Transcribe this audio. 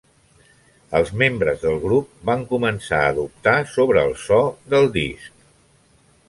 Els membres del grup van començar a dubtar sobre el so del disc.